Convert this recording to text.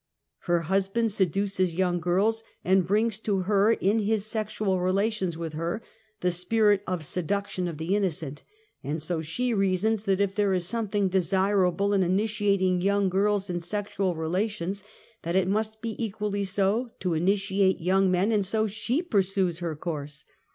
Her husband seduces young girls, and brings to her in his sexual relations with her the sinr'd of seduction of the innocent, and so she reasons that if there is something desirable in initi ^ ating young girls in sexual relations, that it must be \^ equally so to initiate young men and so she pursues v her course.